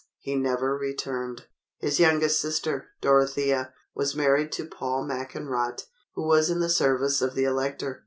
he never returned. His youngest sister, Dorothea, was married to Paul Mackenrot, who was in the service of the Elector.